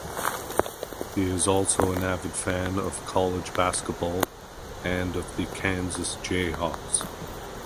He is also an avid fan of college basketball and of the Kansas Jayhawks.